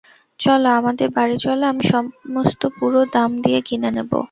চলো, আমাদের বাড়ি চলো, আমি সমস্ত পুরো দাম দিয়ে কিনে নেব।